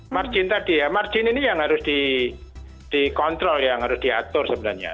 margin tadi ya margin ini yang harus dikontrol yang harus diatur sebenarnya